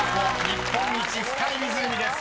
日本一深い湖です。